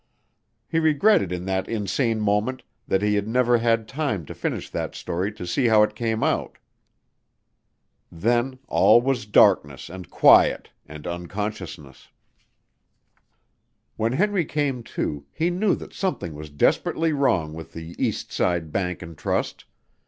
He regretted in that insane moment that he had never had time to finish that story to see how it came out. Then all was darkness and quiet and unconsciousness. When Henry came to, he knew that something was desperately wrong with the Eastside Bank & Trust.